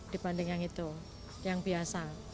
dibanding yang itu yang biasa